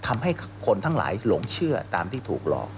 ทำให้คนทั้งหลายหลงเชื่อตามที่ถูกหลอก